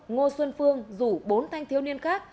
ngô xuân phương rủ bốn thanh thiếu niên khác